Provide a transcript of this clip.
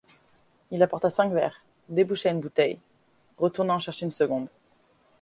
Il apporta cinq verres, déboucha une bouteille, retourna en chercher une seconde.